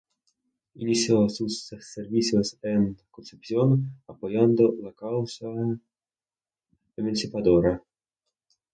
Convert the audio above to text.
Inició sus servicios en Concepción apoyando la causa emancipadora.